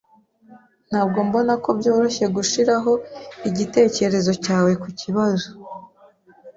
Ntabwo mbona ko byoroshye gushiraho igitekerezo cyawe kukibazo.